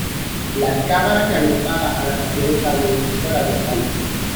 La cámara que agrupaba a las mayores radioemisoras del país.